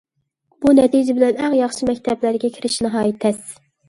بۇ نەتىجە بىلەن ئەڭ ياخشى مەكتەپلەرگە كىرىش ناھايىتى تەس.